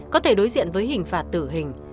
có thể đối diện với hình phạt tử hình